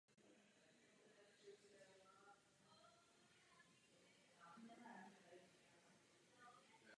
Následující rolí ve filmu "Něco na té Mary je" už pouze potvrdila svůj talent.